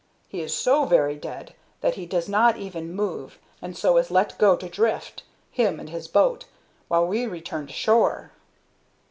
He is so very dead that he does not even move, and so is let go to drift, him and his boat, while we return to shore."